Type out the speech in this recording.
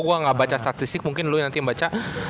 gue gak baca statistik mungkin lu nanti yang baca